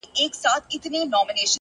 هوښیار انسان له وخت سره سیالي نه کوي،